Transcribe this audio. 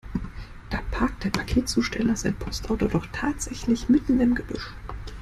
Da parkt der Paketzusteller sein Postauto doch tatsächlich mitten im Gebüsch!